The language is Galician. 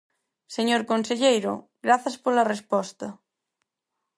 Señor conselleiro, grazas pola resposta.